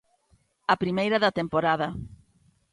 A primeira da temporada.